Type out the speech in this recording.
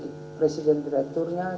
di sini presiden direkturnya